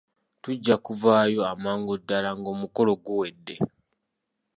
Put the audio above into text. Tujja kuvaayo amangu ddala ng'omukolo guwedde.